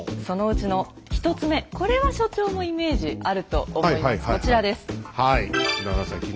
そのうちの１つ目これは所長もイメージあると思います。